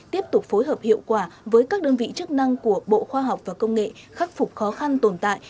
tiếp tục phối hợp hiệu quả với các đơn vị chức năng của bộ khoa học và công nghệ khắc phục khó khăn tồn tại